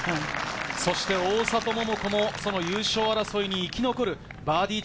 そして大里桃子も優勝争いに生き残るバーディー